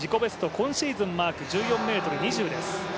今シーズンマーク、１４ｍ２０です。